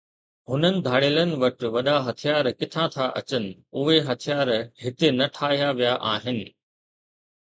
هنن ڌاڙيلن وٽ وڏا هٿيار ڪٿان ٿا اچن، اهي هٿيار هتي نه ٺاهيا ويا آهن